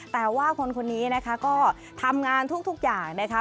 แต่ว่าคนคนนี้นะคะก็ทำงานทุกอย่างนะคะ